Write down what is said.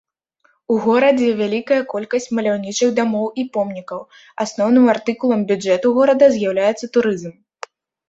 У горадзе вялікая колькасць маляўнічых дамоў і помнікаў, асноўным артыкулам бюджэту горада з'яўляецца турызм.